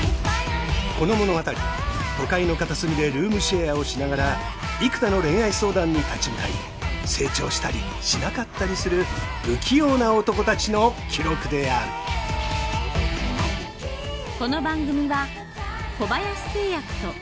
この物語は都会の片隅でルームシェアをしながら幾多の恋愛相談に立ち向かい成長したりしなかったりする不器用な男たちの記録であるおはようございます。